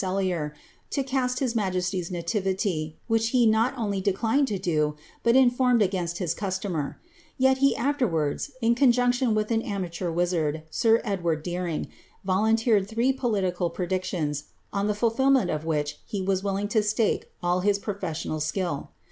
CVllier, to ca.«t his majesly^s nativity, vhick he not only declined to do, but infurmed against his customer ; yet he after wards, in conjunction with an amateur wizard, sir Edward Dcenn|, volunteered three political predictions, on the fulfilment of which it was willing to stake all his professional skill.